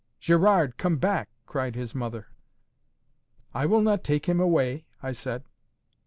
"Gerard, come back," cried his mother. "I will not take him away," I said.